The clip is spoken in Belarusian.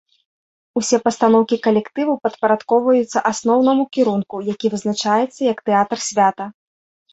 Усе пастаноўкі калектыву падпарадкоўваюцца асноўнаму кірунку, які вызначаецца як тэатр-свята.